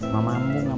mamamu gak mau